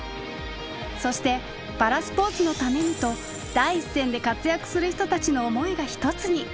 そしてパラスポーツのためにと第一線で活躍する人たちの思いが一つに。